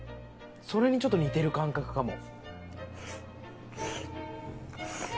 それにちょっと似てる感覚かも。